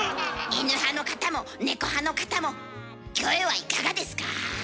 イヌ派の方もネコ派の方もキョエはいかがですか？